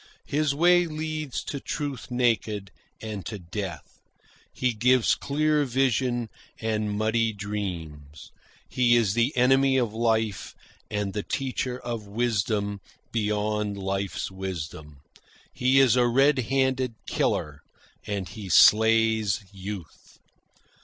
His way leads to truth naked, and to death. He gives clear vision, and muddy dreams. He is the enemy of life, and the teacher of wisdom beyond life's wisdom. He is a red handed killer, and he slays youth."